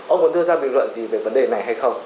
ông có đưa ra bình luận gì về vấn đề này hay không